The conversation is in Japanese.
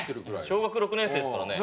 「小学６年生ですからね」